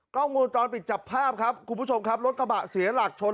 กล้องวงจรปิดจับภาพครับคุณผู้ชมครับรถกระบะเสียหลักชน